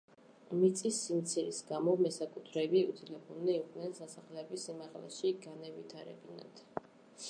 მიწის სიმცირის გამო, მესაკუთრეები იძულებულნი იყვნენ სასახლეები სიმაღლეში განევითარებინათ.